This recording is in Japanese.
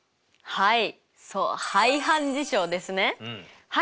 はい。